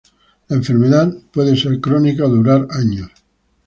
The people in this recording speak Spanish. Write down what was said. La enfermedad puede ser crónica o durar años.